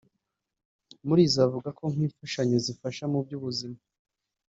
muri izo avuga nk’imfashanyo zifasha mu by’ubuzima